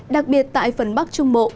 đặc biệt tại phần bắc trung bộ